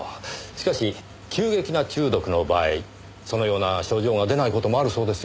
しかし急激な中毒の場合そのような症状が出ない事もあるそうですよ。